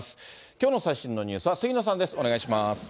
きょうの最新のニュースは杉野さんです。